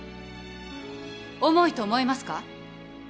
重いと思いますか？